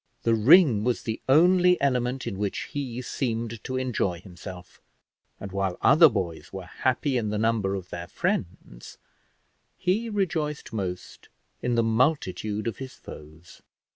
The ring was the only element in which he seemed to enjoy himself; and while other boys were happy in the number of their friends, he rejoiced most in the multitude of his foes.